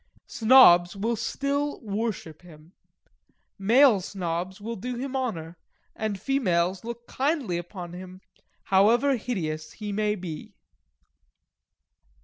Snobs will still worship him. Male Snobs will do him honour, and females look kindly upon him, however hideous he may be.